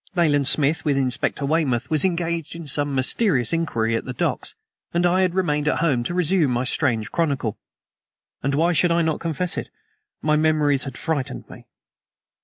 Nayland Smith, with Inspector Weymouth, was engaged in some mysterious inquiry at the docks, and I had remained at home to resume my strange chronicle. And why should I not confess it? my memories had frightened me.